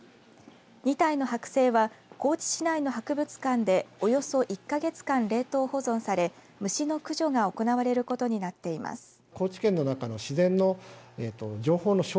２体の剥製は高知市内の博物館でおよそ１か月間、冷凍保存され虫の駆除が行われることになっています。